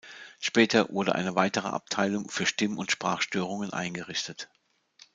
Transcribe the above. Später wurde eine weitere Abteilung für Stimm- und Sprachstörungen eingerichtet.